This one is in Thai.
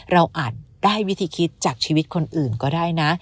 อาจได้วิธีคิดจากชีวิตคนอื่นก็ได้นะ